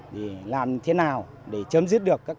thì làm thế nào để chấm dứt được các